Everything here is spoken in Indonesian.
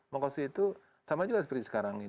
maka itu sama juga seperti sekarang